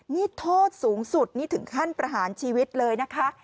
นี่โทษสูงสุดนี่ถึงขั้นประหารชีวิตเลยนะคะ